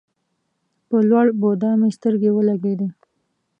په لوړ بودا مې سترګې ولګېدې.